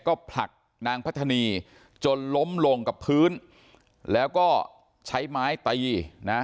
ก็ผลักนางพัฒนีจนล้มลงกับพื้นแล้วก็ใช้ไม้ตีนะ